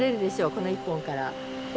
この１本から。